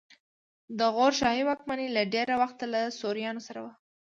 د غور شاهي واکمني له ډېره وخته له سوریانو سره وه